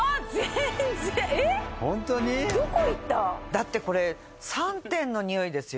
だってこれ３点のにおいですよ。